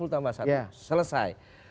lima puluh tambah satu selesai